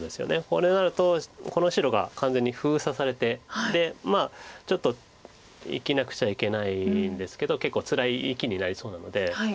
これがあるとこの白が完全に封鎖されてちょっと生きなくちゃいけないんですけど結構つらい生きになりそうなので。